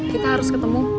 kita harus ketemu